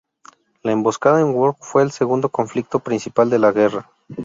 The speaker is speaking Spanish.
La emboscada en Wok fue el segundo conflicto principal de la guerra.